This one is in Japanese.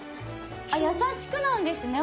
優しくなんですね。